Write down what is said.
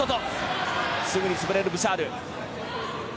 すぐに潰れるブシャール。